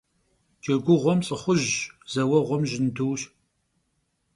Ceguğuem lh'ıxhujş, zeueğuem jınduş.